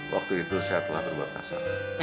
waktu itu saya telah berbahasa